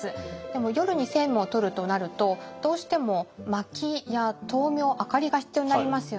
でも夜に政務をとるとなるとどうしてもまきや灯明明かりが必要になりますよね。